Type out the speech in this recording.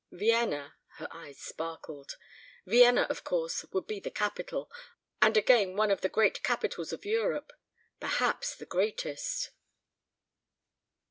Vienna" her eyes sparkled "Vienna, of course, would be the capital and again one of the great capitals of Europe. Perhaps the greatest."